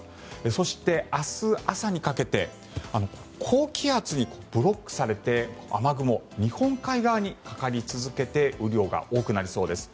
そして、明日朝にかけて高気圧にブロックされて雨雲、日本海側にかかり続けて雨量が多くなりそうです。